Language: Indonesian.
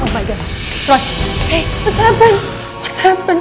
apa yang terjadi